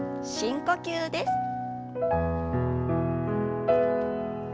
深呼吸です。